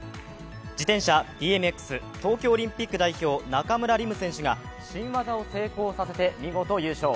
自転車ＢＭＸ、東京オリンピック代表中村輪夢選手が新技を成功させて見事、優勝。